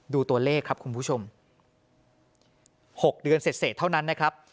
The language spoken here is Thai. ตัวเลขครับคุณผู้ชม๖เดือนเสร็จเท่านั้นนะครับ